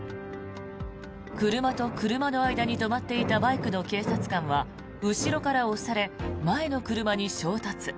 車と車の間に止まっていたバイクの警察官は後ろから押され、前の車に衝突。